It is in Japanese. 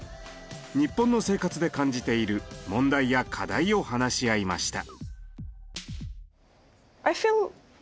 日本の生活で感じている問題や課題を話し合いました。